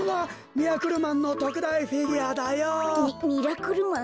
ミミラクルマン？